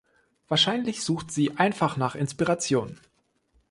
Wahrscheinlich sucht sie einfach nach Inspiration.